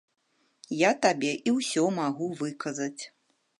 Я табе і ўсё магу выказаць.